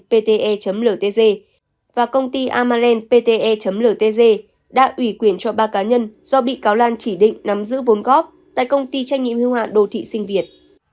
pte ltg và công ty amalent pte ltg đã ủy quyền cho ba cá nhân do bị cáo lan chỉ định nắm giữ vốn góp tại công ty trách nhiệm hưu hạn đồ thị sinh việt